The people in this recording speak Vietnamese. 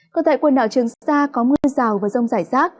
còn tại quần đảo trường sa có mưa rào và rông rải rác